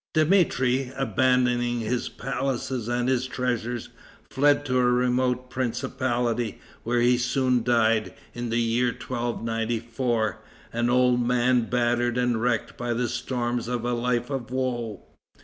Dmitri, abandoning his palaces and his treasures, fled to a remote principality, where he soon died, in the year 1294, an old man battered and wrecked by the storms of a life of woe.